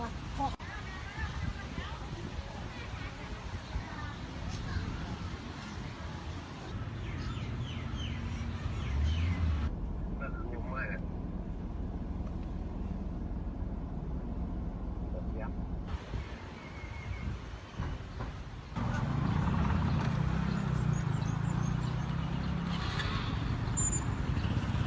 ที่นี่อ๋อถ้าทายกับเนี่ย